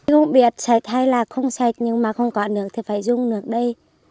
không biết sạch hay là không sạch nhưng mà không có nước thì phải dùng nước đây